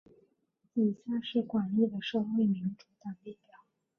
以下是广义的社会民主党列表。